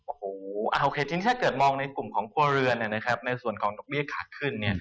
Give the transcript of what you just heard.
โอ้โหโอเคทีนี้ถ้าเกิดมองในกลุ่มของครัวเรือนในส่วนของดอกเบี้ยขาขึ้น